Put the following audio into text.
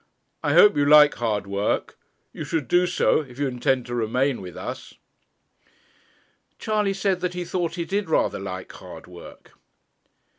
I hope you like hard work; you should do so, if you intend to remain with us.' Charley said that he thought he did rather like hard work.